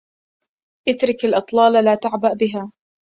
اترك الأطلال لا تعبأ بها